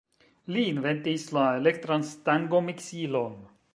Li inventis la elektran stangomiksilon.